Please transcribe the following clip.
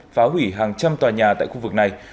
phá hủy hàng trăm tòa nhà tại khu vực này